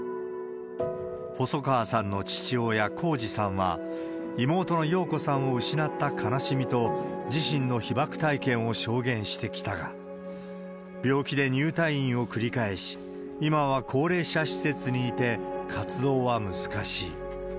細川さんの父親、浩史さんは、妹の瑤子さんを失った悲しみと自身の被爆体験を証言してきたが、病気で入退院を繰り返し、今は高齢者施設にいて、活動は難しい。